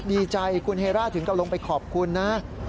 ดีใจคุณเฮร่าถึงกับลงไปขอบคุณนะ